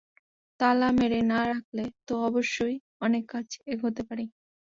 তালা মেরে না রাখলে তো অবশ্যই অনেক কাজ এগোতে পারি।